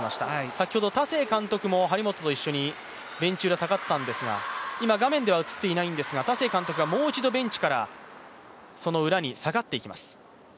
先ほど田勢監督も張本と一緒にベンチ裏に下がったんですが、今、画面では映っていないんですが田勢監督がもう一度ベンチからその裏に下がっていきます。